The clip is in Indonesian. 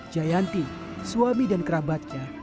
jayanti suami dan kerabatnya